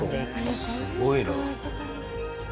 すごいな。